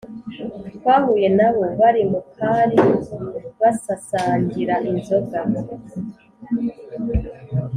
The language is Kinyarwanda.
Twahuye nabo bari mukari basasangira inzoga